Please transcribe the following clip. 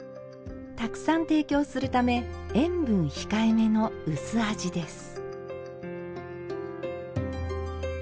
たくさん提供するため塩分控えめの薄味です。